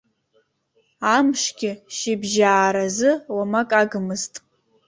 Амшгьы шьыбжьааразы уамак агмызт.